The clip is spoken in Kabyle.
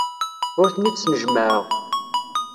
Ur ten-id-snejmaɛeɣ.